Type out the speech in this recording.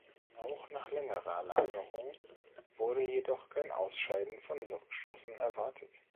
Auch nach längerer Lagerung wurde jedoch kein Ausscheiden von Wirkstoffen erwartet.